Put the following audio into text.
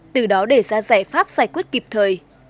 từ đó để ra giải pháp giải quyết kịp thời